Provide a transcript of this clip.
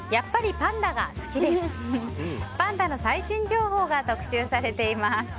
パンダの最新情報が特集されています。